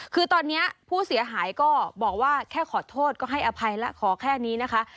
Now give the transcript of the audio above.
คือตอนนี้ผู้เสียหายก็บอกว่าแค่ขอโทษก็ให้อภัยแล้วขอแค่นี้นะคะ